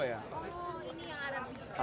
oh ini yang arabica